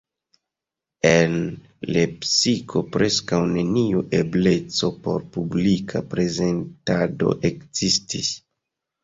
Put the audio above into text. En Lepsiko preskaŭ neniu ebleco por publika prezentado ekzistis.